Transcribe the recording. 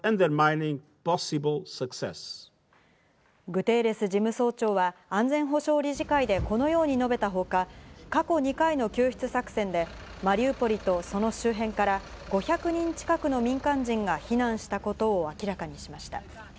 グテーレス事務総長は安全保障理事会でこのように述べたほか、過去２回の救出作戦でマリウポリとその周辺から５００人近くの民間人が避難したことを明らかにしました。